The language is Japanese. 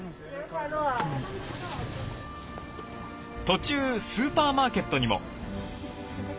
途中スーパーマーケットにも。